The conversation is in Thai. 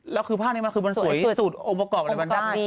แล้วคือภาพนี้มันคือมันสวยสุดองค์ประกอบอะไรมันได้